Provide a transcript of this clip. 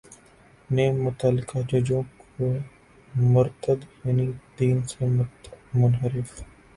نے متعلقہ ججوں کو مرتد یعنی دین سے منحرف